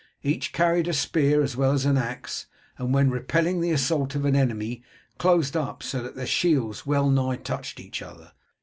Each carried a spear as well as an axe, and when repelling the assault of an enemy closed up so that their shields well nigh touched each other.